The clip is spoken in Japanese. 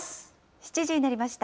７時になりました。